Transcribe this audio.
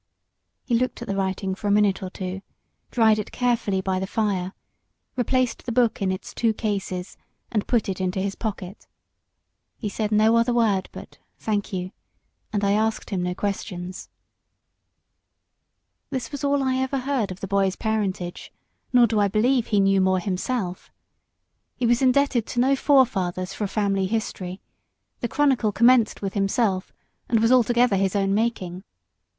He looked at the writing for a minute or two, dried it carefully by the fire, replaced the book in its two cases, and put it into his pocket. He said no other word but "Thank you," and I asked him no questions. This was all I ever heard of the boy's parentage: nor do I believe he knew more himself. He was indebted to no forefathers for a family history: the chronicle commenced with himself, and was altogether his own making.